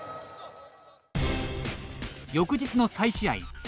翌日の再試合。